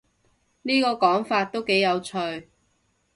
呢個講法都幾有趣